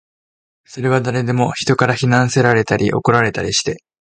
それは誰でも、人から非難せられたり、怒られたりして